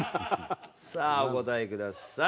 さあお答えください。